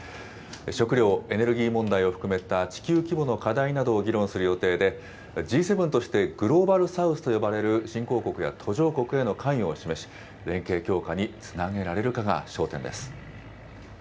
食料・エネルギー問題を含めた地球規模の課題などを議論する予定で、Ｇ７としてグローバル・サウスと呼ばれる新興国や途上国への関与を示し、連携強化につなげられるかが焦点です。